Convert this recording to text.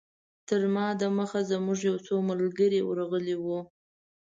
تر ما دمخه زموږ یو څو ملګري ورغلي وو.